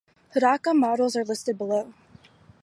Hodaka models are listed below.